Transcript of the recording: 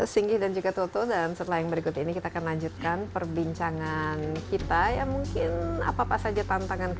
sangat menyenangkan ya oke kita istirahat